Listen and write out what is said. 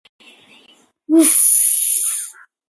It is located in the nucleus.